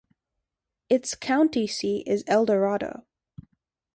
Its county seat is Eldorado.